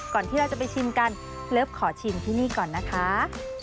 ที่เราจะไปชิมกันเลิฟขอชิมที่นี่ก่อนนะคะ